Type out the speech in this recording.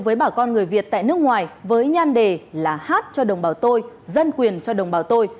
với bà con người việt tại nước ngoài với nhan đề là hát cho đồng bào tôi dân quyền cho đồng bào tôi